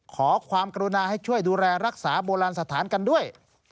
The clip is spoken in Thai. ขอความกรุณาให้ช่วยดูแลรักษาโบราณสถานกันด้วย